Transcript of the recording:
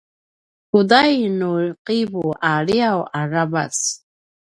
kudain nu ’ivu a liaw aravac?